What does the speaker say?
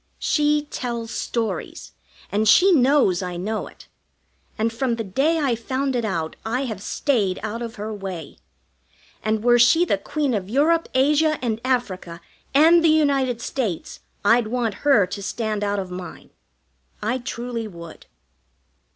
She tells stories, and she knows I know it; and from the day I found it out I have stayed out of her way; and were she the Queen of Europe, Asia, and Africa, and the United States I'd want her to stand out of mine. I truly would.